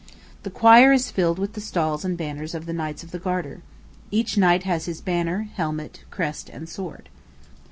The choir is filled with the stalls and banners of the knights of the garter. Each knight has his banner, helmet, crest, and sword.